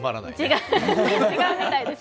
違うみたいです。